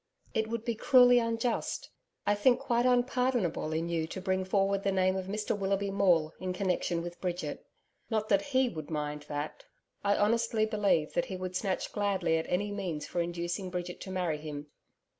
It would be cruelly unjust I think quite unpardonable in you to bring forward the name of Mr Willoughby Maule in connection with Bridget. Not that HE would mind that. I honestly believe that he would snatch gladly at any means for inducing Bridget to marry him.